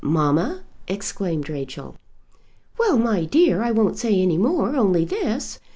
"Mamma!" exclaimed Rachel. "Well, my dear, I won't say any more; only this.